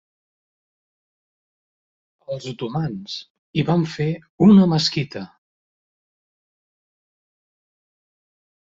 Els otomans hi van fer una mesquita.